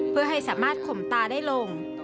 เพื่อให้สามารถข่มตาได้ลง